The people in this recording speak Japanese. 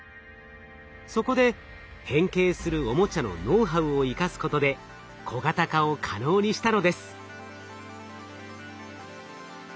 そこで変形するオモチャのノウハウを生かすことで小型化を可能にしたのです。